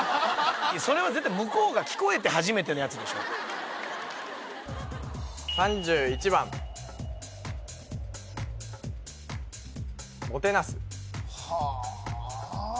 それは絶対向こうが聞こえて初めてのやつでしょはあ